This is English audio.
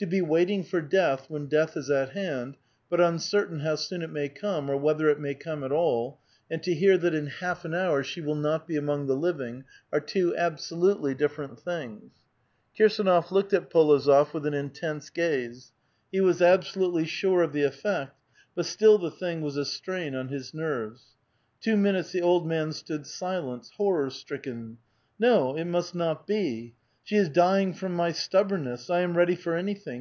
To be waiting for death, when death is at hand, but uncertain how soon it may come, or whether it may come at all, and to hear that in half an hour she will not be among the living, are two absolutely different things. Kirsdnof looked at P6lozof with an intense gaze ; he was absolutely sure of the effect, but still the thing was a strain on his nerves. Two minutes the old man stood silent, horror stricken. ^' No ; it must not be ! She is dying from my stubborn ness. I am ready for anything.